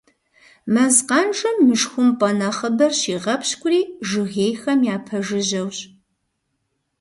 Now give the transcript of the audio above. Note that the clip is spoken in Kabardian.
Мэз къанжэм мышхумпӏэ нэхъыбэр щигъэпщкӏури жыгейхэм япэжыжьэущ.